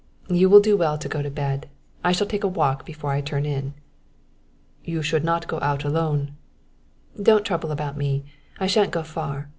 You will do well to go to bed. I shall take a walk before I turn in." "You should not go out alone " "Don't trouble about me; I shan't go far.